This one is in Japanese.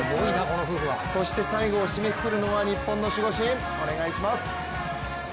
そして最後を締めくくるのは日本の守護神、お願いします！